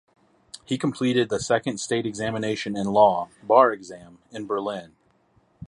He completed the second state examination in law (bar exam) in Berlin.